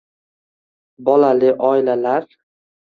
Bolali oilalar